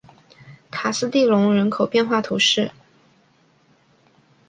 卡斯蒂隆人口变化图示